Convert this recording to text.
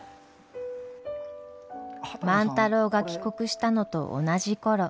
万太郎が帰国したのと同じ頃。